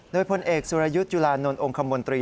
โดยพลเอกสุรยุทธ์จุลานนท์องค์คมนตรี